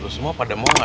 lo semua pada mau gak